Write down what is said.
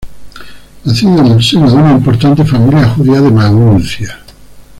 Nacido en el seno de una importante familia judía de Maguncia.